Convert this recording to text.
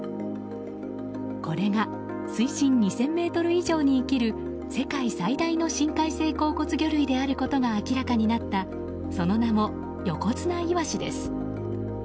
これが水深２０００ｍ以上に生きる世界最大の深海性硬骨魚類であることが明らかになったその名も、ヨコヅナイワシです。